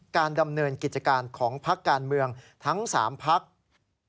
การดำเนินกิจการของพักการเมืองทั้ง๓พัก